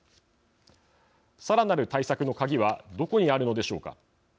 さらなる対策のかぎはどこにあるのでしょうか。